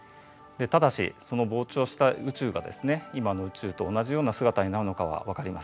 ただしその膨張した宇宙がですね今の宇宙と同じような姿になるのかは分かりませんね。